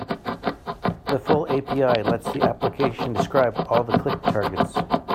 The full API lets the application describe all the click targets.